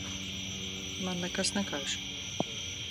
Man nekas nekaiš.